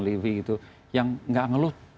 livi gitu yang nggak ngeluh